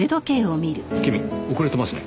君遅れてますね。